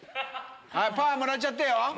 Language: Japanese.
パワーもらっちゃってよ。